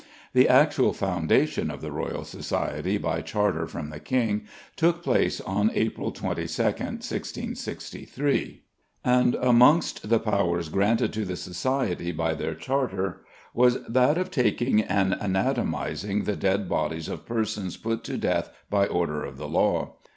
The actual foundation of the Royal Society by charter from the King took place on April 22nd, 1663, and amongst the powers granted to the Society by their charter was that of taking and anatomising the dead bodies of persons put to death by order of the law.